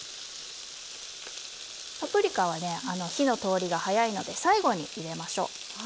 パプリカは火の通りが早いので最後に入れましょう。